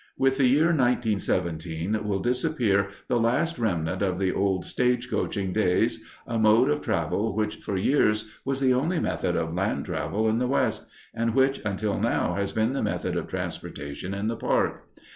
With the year 1917 will disappear the last remnant of the old stage coaching days, a mode of travel which for years was the only method of land travel in the West, and which until now has been the method of transportation in the park.